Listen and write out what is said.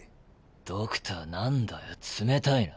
ドクター何だよ冷たいな。